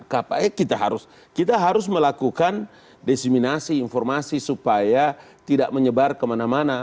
kpai kita harus melakukan disiminasi informasi supaya tidak menyebar kemana mana